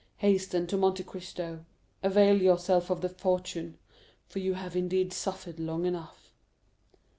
Hasten to Monte Cristo—avail yourself of the fortune—for you have indeed suffered long enough."